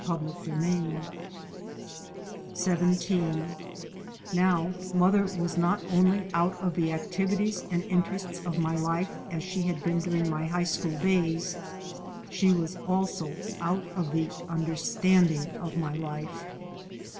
3 by Google XVII Now mother was not only out of the activities and interests of my life as she had been during my high school days; she was also out of the understanding of my life.